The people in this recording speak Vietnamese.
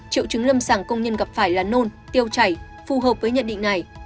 triệu chứng lâm sàng công nhân gặp phải là nôn tiêu chảy phù hợp với nhận định này